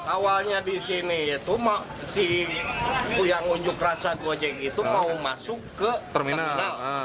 awalnya di sini itu si yang unjuk rasa di ojek itu mau masuk ke terminal